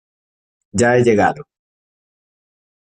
ya he llegado.